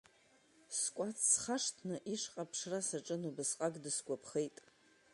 Скәац схашҭны, ишҟа аԥшра саҿын, убасҟак дысгәаԥхеит.